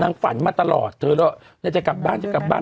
นางฝันมาตลอดเธอจะกลับบ้านจะกลับบ้าน